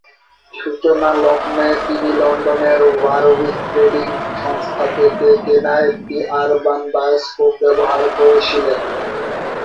সূচনা লগ্নে তিনি লন্ডনের ওয়ারউইক ট্রেডিং সংস্থা থেকে কেনা একটি আরবান বায়োস্কোপ ব্যবহার করেছিলেন।